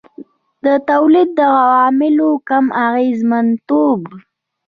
د تولید د عواملو کم اغېزمنتوب.